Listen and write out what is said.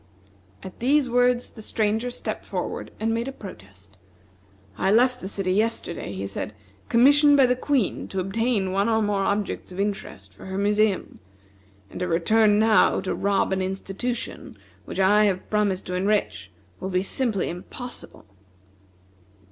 At these words the Stranger stepped forward and made a protest. "I left the city yesterday," he said, "commissioned by the Queen to obtain one or more objects of interest for her museum; and to return now to rob an institution which I have promised to enrich will be simply impossible."